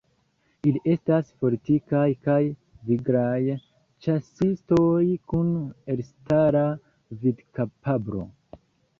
Ili estas fortikaj kaj viglaj ĉasistoj kun elstara vidkapablo.